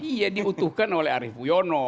iya diutuhkan oleh arief puyono